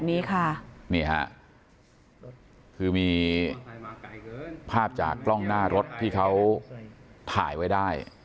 นี่ค่ะนี่ฮะคือมีภาพจากกล้องหน้ารถที่เขาถ่ายไว้ได้